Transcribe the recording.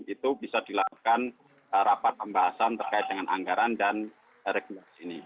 itu bisa dilakukan rapat pembahasan terkait dengan anggaran dan regulasi ini